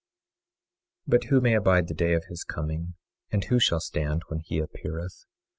24:2 But who may abide the day of his coming, and who shall stand when he appeareth?